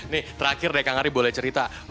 nih terakhir deh kang ari boleh cerita